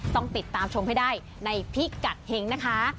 ต้องติดตามชมให้ได้ในพิกัดเฮงนะคะ